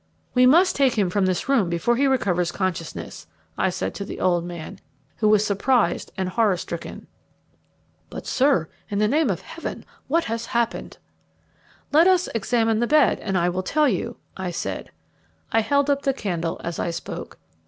"We must take him from this room before he recovers consciousness," I said to the old man, who was surprised and horror stricken. "But, sir, in the name of Heaven, what has happened?" "Let us examine the bed, and I will tell you," I said. I held up the candle as I spoke.